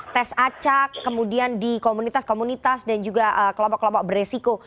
tes acak kemudian di komunitas komunitas dan juga kelompok kelompok beresiko